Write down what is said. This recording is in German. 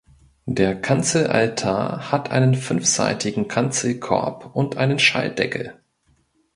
Der Kanzelaltar hat einen fünfseitigen Kanzelkorb und einen Schalldeckel.